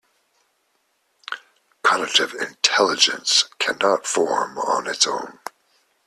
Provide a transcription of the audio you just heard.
Cognitive Intelligence cannot form on its own.